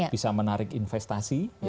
bisa menarik investasi